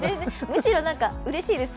むしろうれしいです。